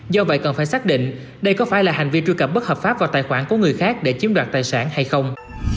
do vậy cần phải xác định đây có phải là hành vi truy cập bất hợp pháp vào tài khoản của người khác để chiếm đoạt tài sản hay không